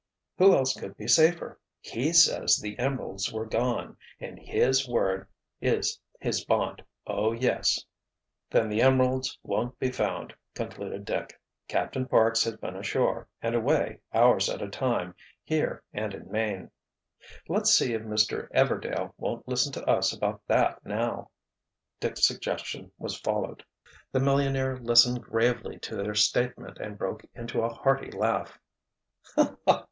"Who else could be safer? He says the emeralds were gone and his word is his bond! Oh, yes!" "Then the emeralds won't be found," concluded Dick. "Captain Parks has been ashore, and away, hours at a time, here and in Maine." "Let's see if Mr. Everdail won't listen to us about that, now." Dick's suggestion was followed. The millionaire listened gravely to their statement and broke into a hearty laugh.